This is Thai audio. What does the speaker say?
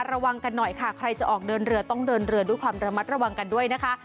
ระวังกันหน่อยค่ะใครจะออกเดินเรือต้องเดินเรือด้วยความระมัดระวังกันด้วยนะคะ